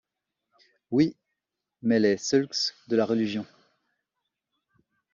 Oui, mais les ceulx de la Religion ?